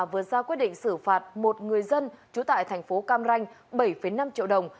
vừa ra quyết định xử phạt một người dân trú tại thành phố cam ranh bảy năm triệu đồng